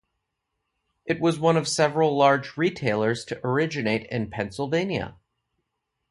It was one of several large retailers to originate in Pennsylvania.